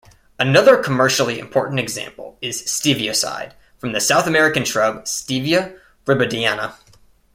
Another commercially important example is stevioside, from the South American shrub "Stevia rebaudiana".